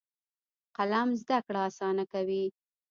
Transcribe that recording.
قلم زده کړه اسانه کوي.